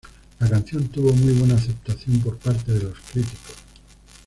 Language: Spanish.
La canción tuvo muy buena aceptación por parte de los críticos.